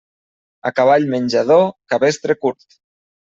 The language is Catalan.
A cavall menjador, cabestre curt.